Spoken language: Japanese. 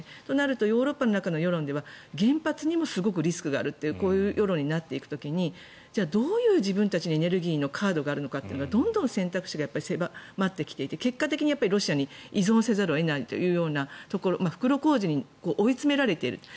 となるとヨーロッパの中の世論では原発にもすごくリスクがあるというこういう世論になっていく時に自分たちにどういうエネルギーのカードがあるのかはどんどん選択肢が狭まってきていて結果的にロシアに依存せざるを得ないというようなところ袋小路に追い詰められている